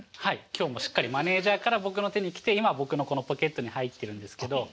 今日もしっかりマネージャーから僕の手に来て今僕のこのポケットに入ってるんですけど。